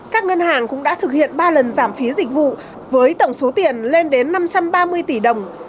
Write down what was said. các ngân hàng cũng đã thực hiện ba lần giảm phí dịch vụ với tổng số tiền lên đến năm trăm ba mươi tỷ đồng